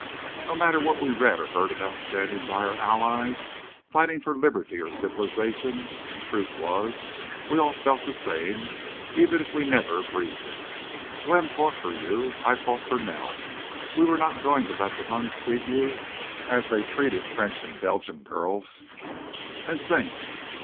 No matter what we read or heard about standing by our allies, fighting for liberty or civilization, the truth was we all felt the same, even if we never breathed it.... Glenn fought for you. I fought for Nell.... We were not going to let the Huns treat you as they treated French and Belgian girls.... And think!